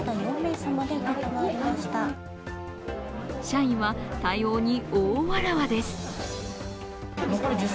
社員は対応に大わらわです。